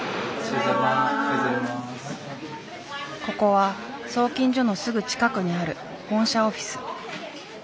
ここは送金所のすぐ近くにある本社オフィス。